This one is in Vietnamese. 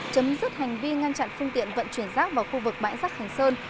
chấm dứt hành vi ngăn chặn phương tiện vận chuyển rác vào khu vực bãi rác hành sơn